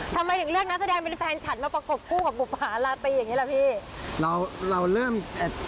ทำไมถึงเลือกนักแสดงเป็นแฟนฉันมาประกบกู้กับบุภาระไปอย่างนี้ล่ะพี่